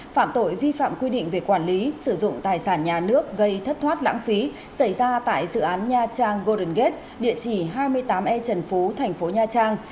phạm tội vi phạm quy định về quản lý sử dụng tài sản nhà nước gây thất thoát lãng phí xảy ra tại dự án nha trang golden gate địa chỉ hai mươi tám e trần phú thành phố nha trang